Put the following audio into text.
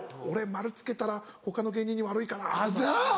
俺マルつけたら他の芸人に悪いかなとか。